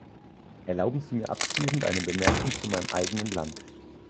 Erlauben Sie mir abschließend eine Bemerkung zu meinem eigenen Land.